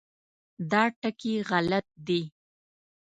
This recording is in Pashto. دا ټکي غلط دي.